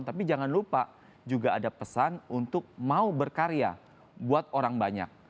tapi jangan lupa juga ada pesan untuk mau berkarya buat orang banyak